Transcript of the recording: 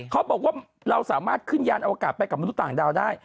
เขาบอกว่าเราสามารถขึ้นยานอวกาศไปกับมนุษย์ต่างดาวได้